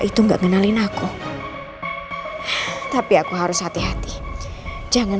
aku pegang pegang kamu bunda